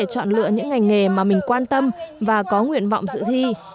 các em có thể chọn những ngành nghề mà mình quan tâm và có nguyện vọng giữ thi